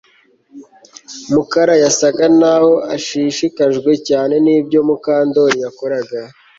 Mukara yasaga naho ashishikajwe cyane nibyo Mukandoli yakoraga